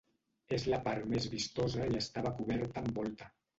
És la part més vistosa i estava coberta amb volta.